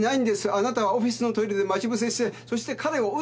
あなたはオフィスのトイレで待ち伏せしてそして彼を撃ったんです。